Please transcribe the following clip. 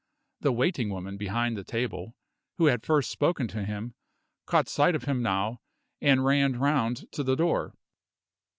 The waiting woman behind the table, who had first spoken to him, caught sight of him now, and ran round to the door.